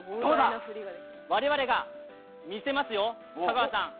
我々が見せますよ、香川さん。